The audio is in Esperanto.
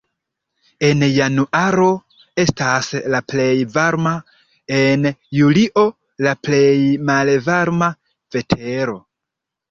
En januaro estas la plej varma, en julio la plej malvarma vetero.